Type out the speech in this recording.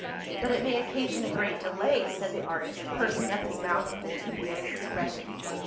" But it may occasion a great delay," said the artist pursing up his mouth with a dubious expression.